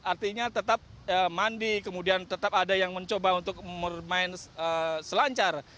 artinya tetap mandi kemudian tetap ada yang mencoba untuk bermain selancar